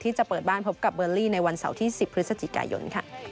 จะเปิดบ้านพบกับเบอร์ลี่ในวันเสาร์ที่๑๐พฤศจิกายน